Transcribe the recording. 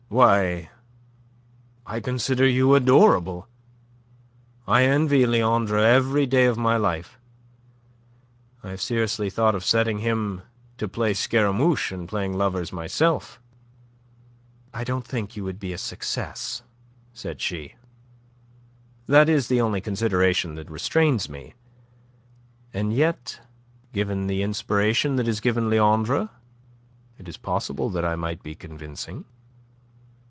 Why... I consider you adorable. I envy Leandre every day of my life. I have seriously thought of setting him to play Scaramouche, and playing lovers myself." "I don't think you would be a success," said she. "That is the only consideration that restrains me. And yet, given the inspiration that is given Leandre, it is possible that I might be convincing."